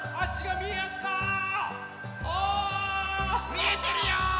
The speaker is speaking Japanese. みえてるよ！